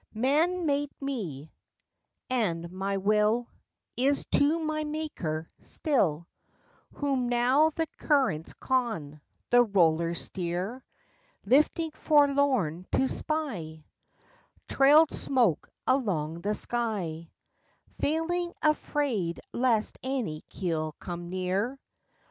_ Man made me, and my will Is to my maker still, Whom now the currents con, the rollers steer Lifting forlorn to spy Trailed smoke along the sky, Falling afraid lest any keel come near.